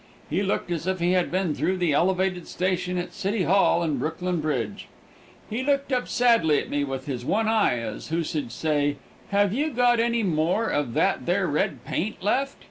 He looked as if he had been through the elevated station at City Hall and Brooklyn bridge. He looked up sadly at me with his one eye as who should say, "Have you got any more of that there red paint left?"